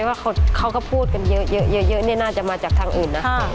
ว่าเขาก็พูดกันเยอะน่าจะมาจากทางอื่นนะ